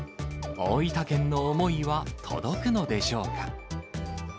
大分県の思いは届くのでしょうか。